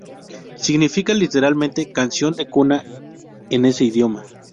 Significa literalmente "canción de cuna" en ese idioma.